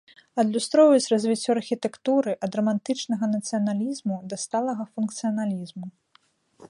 Адлюстроўваюць развіццё архітэктуры ад рамантычнага нацыяналізму да сталага функцыяналізму.